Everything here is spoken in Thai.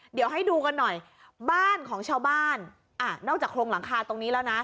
เดี๋ยวให้ดูกันหน่อยบ้านของชาวบ้านอ่ะนอกจากโครงหลังคาตรงนี้แล้วนะ